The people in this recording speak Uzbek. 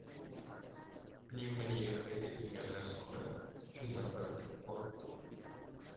Pnevmoniya qayd etilganlar soni uch yuz nafardan ortdi